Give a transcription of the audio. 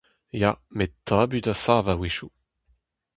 Ya, met tabut a sav a-wechoù !